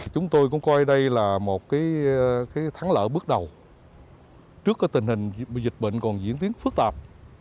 chúng tôi cũng coi đây là một thắng lợi bước đầu trước tình hình dịch bệnh còn diễn tiến phức tạp